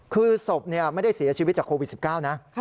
คือศพไม่ได้เสียชีวิตจากโควิด๑๙นะ